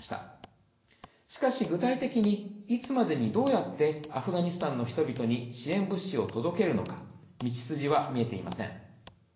しかし具体的にいつまでにどうやってアフガニスタンの人々に支援物資を届けるのか道筋は見えていません。